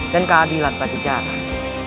dan keadilan bagi jalanan